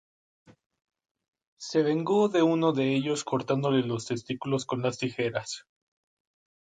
Se vengó de uno de ellos cortándole los testículos con unas tijeras.